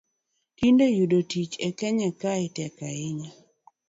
Tinde yudo tich e kenya kae tek ahinya